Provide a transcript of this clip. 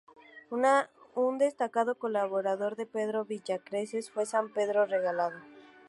Un destacado colaborador de Pedro de Villacreces fue San Pedro Regalado.